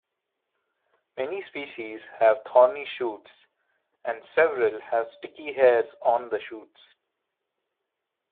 Many species have thorny shoots, and several have sticky hairs on the shoots.